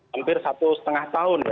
hampir satu setengah tahun